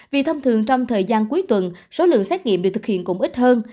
vì thông thường trong thời gian cuối tuần số lượng xét nghiệm được thực hiện cũng ít hơn